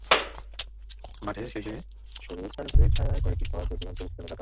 মাঠের শেষে সবুজ গাছগাছালির ছায়ায় কয়েকটি ঘর, দূর দিগন্তে বিস্তৃত নীল আকাশ।